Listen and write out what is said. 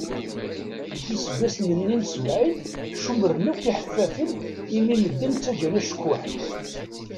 Deg iseggasen-nni n sebɛin ccumren akk iḥeffafen imi medden ttaǧǧan acekkuḥ.